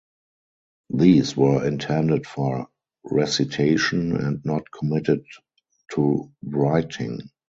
These were intended for recitation, and not committed to writing.